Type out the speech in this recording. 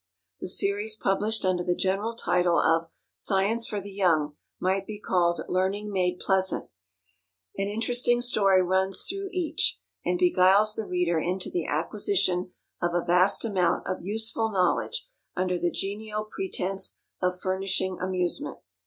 The series published under the general title of "Science for the Young" might be called "Learning made Pleasant." An interesting story runs through each, and beguiles the reader into the acquisition of a vast amount of useful knowledge under the genial pretence of furnishing amusement.